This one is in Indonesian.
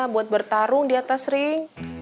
buat bertarung di atas ring